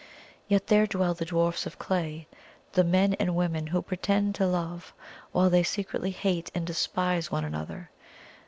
Yet there dwell the dwarfs of clay the men and women who pretend to love while they secretly hate and despise one another.